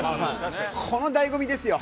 このだいご味ですよ。